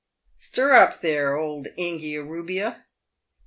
Stir up, there, old Ingia rubbia.